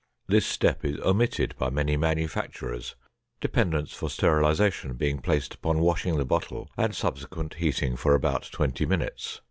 This step is omitted by many manufacturers, dependence for sterilization being placed upon washing the bottle and subsequent heating for about twenty minutes.